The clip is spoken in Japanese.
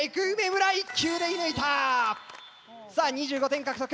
さあ２５点獲得。